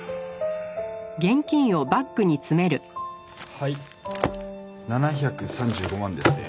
はい７３５万ですね。